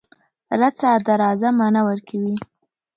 رڅه .د راځه معنی ورکوی